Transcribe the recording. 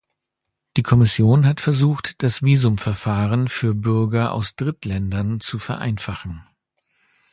Die Kommission hat versucht, das Visumverfahren für Bürger aus Drittländern zu vereinfachen.